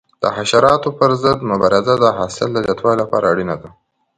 د حشراتو پر ضد مبارزه د حاصل زیاتوالي لپاره اړینه ده.